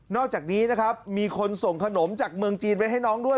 อกจากนี้นะครับมีคนส่งขนมจากเมืองจีนไว้ให้น้องด้วย